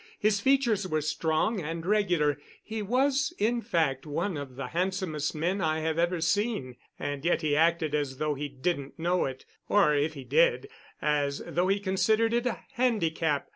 His features were strong and regular. He was, in fact, one of the handsomest men I have ever seen. And yet he acted as though he didn't know it or if he did, as though he considered it a handicap.